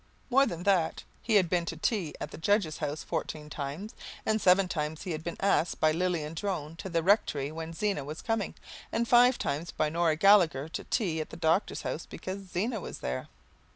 More than that he had been to tea at the judge's house fourteen times, and seven times he had been asked by Lilian Drone to the rectory when Zena was coming, and five times by Nora Gallagher to tea at the doctor's house because Zena was there.